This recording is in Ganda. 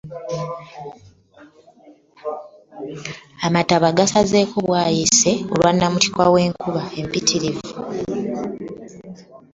Amataba gasazeeko bwayiise olwa namutiti wenkuba empitirivu.